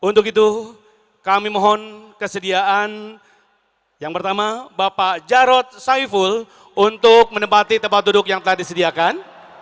untuk itu kami mohon kesediaan yang pertama bapak jarod saiful untuk menempati tempat duduk yang telah disediakan